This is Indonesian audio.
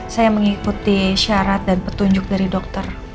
saya mengikuti syarat dan petunjuk dari dokter